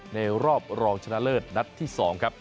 รอบรองชนะเลิศนัดที่๒ครับ